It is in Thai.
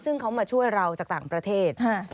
ซึ่งเขามาช่วยเราจากต่างประเทศ